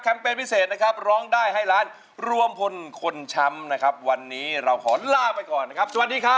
เป็นพิเศษนะครับร้องได้ให้ล้านรวมพลคนช้ำนะครับวันนี้เราขอลาไปก่อนนะครับสวัสดีครับ